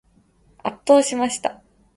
圧倒しました。